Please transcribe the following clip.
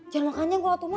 jangan makan jengkol ma